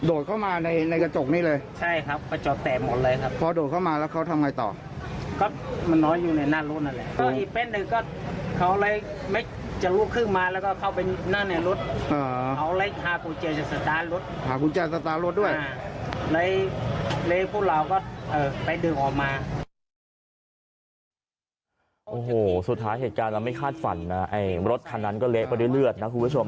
โอ้โหสุดท้ายเหตุการณ์เราไม่คาดฝันนะไอ้รถคันนั้นก็เละไปด้วยเลือดนะคุณผู้ชม